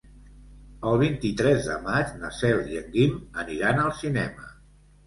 El vint-i-tres de maig na Cel i en Guim aniran al cinema.